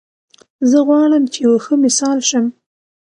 زه غواړم چې یو ښه مثال شم